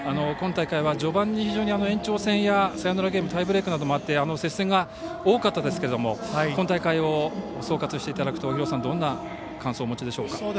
今大会は序盤に非常に延長戦やサヨナラゲームタイブレークなどもあって接戦が多かったんですけども今大会を総括していただくと廣瀬さん、どんな感想をお持ちでしょうか？